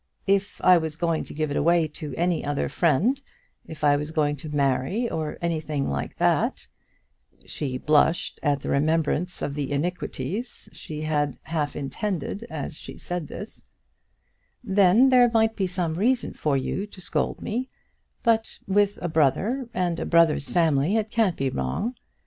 If I was going to give it away to any other friend, if I was going to marry, or anything like that," she blushed at the remembrance of the iniquities she had half intended as she said this "then there might be some reason for you to scold me; but with a brother and a brother's family it can't be wrong.